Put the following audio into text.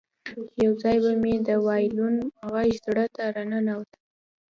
یو ځای به مې د وایلون غږ زړه ته راننوت